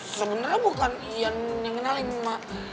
sebenernya bukan yang ngenalin mah